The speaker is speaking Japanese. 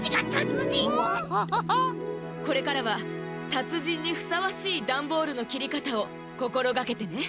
これからはたつじんにふさわしいダンボールのきりかたをこころがけてね。